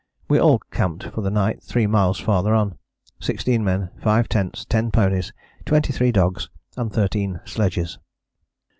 We all camped for the night 3 miles farther on: sixteen men, five tents, ten ponies, twenty three dogs and thirteen sledges.